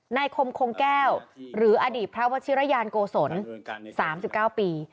นายคมคงแก้วหรืออดีตพระวจิรยานโกสนสามสิบเก้าปี